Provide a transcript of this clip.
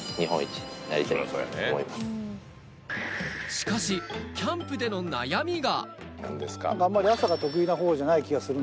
しかし、キャンプでの悩みが。